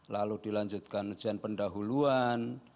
lalu dilanjutkan ujian pendahuluan